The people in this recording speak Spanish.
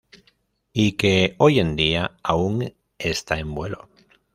Y que, hoy en día, aún está en vuelo.